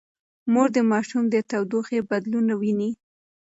مور د ماشوم د تودوخې بدلون ويني.